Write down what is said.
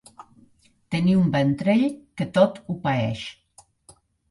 Tenir un ventrell que tot ho paeix.